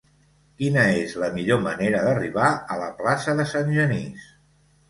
Quina és la millor manera d'arribar a la plaça de Sant Genís?